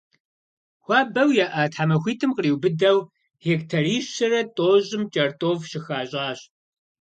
Хуабэу яӏа тхьэмахуитӏым къриубыдэу гектарищэрэ тӏощӏым кӏэртӏоф щыхащӏащ.